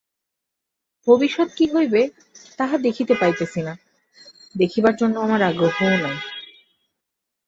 ভবিষ্যৎ কি হইবে, তাহা দেখিতে পাইতেছি না, দেখিবার জন্য আমার আগ্রহও নাই।